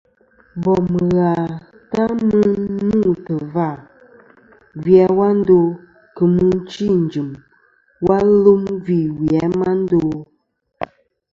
Bòm ghà ta mɨ n-mûtɨ̀ vâ, gvi a wa ndo kɨ̀ mɨchi ɨ̀n jɨ̀m, wa lum gvî wì a ma ndo a?